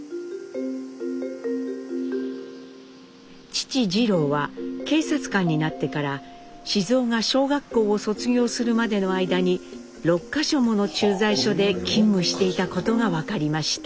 父次郎は警察官になってから雄が小学校を卒業するまでの間に６か所もの駐在所で勤務していたことが分かりました。